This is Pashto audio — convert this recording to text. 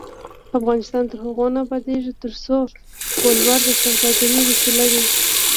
افغانستان تر هغو نه ابادیږي، ترڅو ولور د سوداګرۍ وسیله وي.